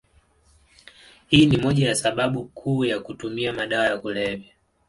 Hii ni moja ya sababu kuu ya kutumia madawa ya kulevya.